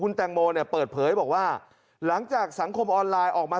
แตงโมเนี่ยเปิดเผยบอกว่าหลังจากสังคมออนไลน์ออกมา